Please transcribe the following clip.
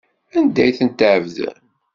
Anda ay tent-tɛebdem?